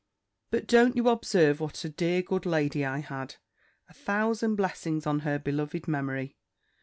But don't you observe what a dear good lady I had? A thousand blessings on her beloved memory!